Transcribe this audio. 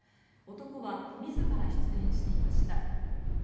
男は自ら出演していました。